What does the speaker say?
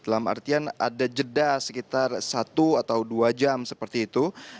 dalam artian ada jeda sekitar satu atau dua jam seperti itu